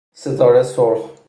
ستاره سرخ